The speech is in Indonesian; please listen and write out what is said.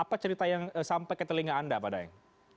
apa cerita yang sampai ke telinga anda pak daeng